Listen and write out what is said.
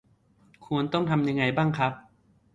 ควรต้องทำยังไงบ้างครับ?